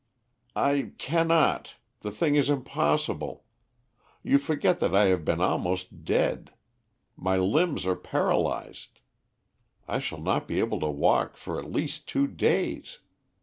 "I cannot. The thing is impossible. You forget that I have been almost dead. My limbs are paralyzed. I shall not be able to walk for at least two days.